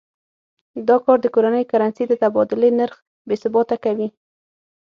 دا کار د کورنۍ کرنسۍ د تبادلې نرخ بې ثباته کوي.